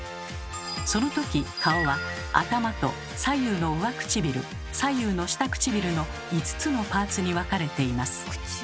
その時顔は頭と左右の上唇左右の下唇の５つのパーツに分かれています。